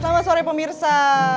selamat sore pemirsa